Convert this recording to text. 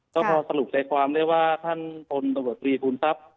ก็พอสรุปใจความได้ว่าท่านพลตำรวจตรีภูมิทรัพย์